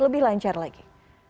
lebih lancar lagi